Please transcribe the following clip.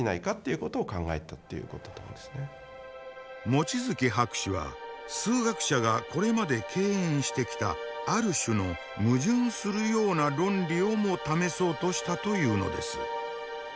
望月博士は数学者がこれまで敬遠してきたある種の矛盾するような論理をも試そうとしたというのです。